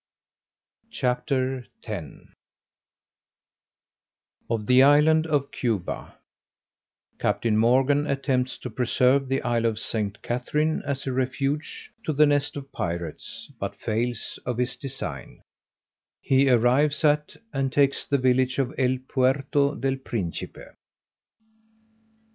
CHAPTER X _Of the Island of Cuba Captain Morgan attempts to preserve the Isle of St. Catherine as a refuge to the nest of pirates, but fails of his design He arrives at and takes the village of El Puerto del Principe.